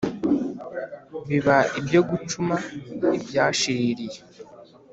Biba ibyo gucuma ibyashiririye